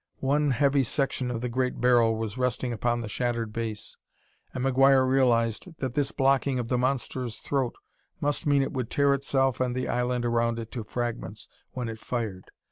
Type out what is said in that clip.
One heavy section of the great barrel was resting upon the shattered base, and McGuire realized that this blocking of the monster's throat must mean it would tear itself and the island around it to fragments when it fired.